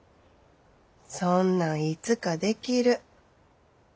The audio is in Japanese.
そんなんいつかできる。